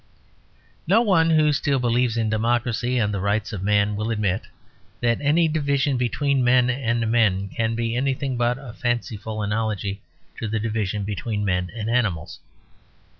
No one who still believes in democracy and the rights of man will admit that any division between men and men can be anything but a fanciful analogy to the division between men and animals.